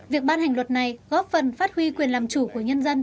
việc ban hành luật này góp phần phát huy quyền làm chủ của nhân dân